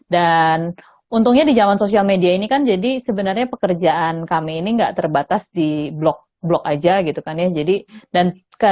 dan untungnya di zaman sosial media ini kan jadi sebenarnya pekerjaan kami ini enggak terbatas di blog blog aja gitu kan ya jadi dan